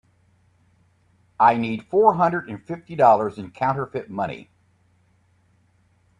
I need four hundred and fifty dollars in counterfeit money.